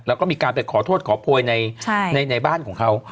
แล้วก็มีการไปขอโทษขอโพยในบ้านของเขา